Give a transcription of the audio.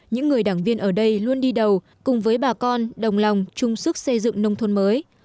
những người đảng viên ở đây luôn đi đầu cùng với bà con đồng lòng chung sức xây dựng nông thôn mới